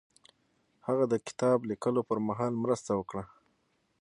هغه د کتاب لیکلو پر مهال مرسته وکړه.